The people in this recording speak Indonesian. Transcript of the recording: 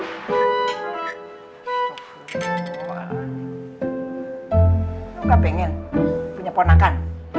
aku gak pengen punya ponakan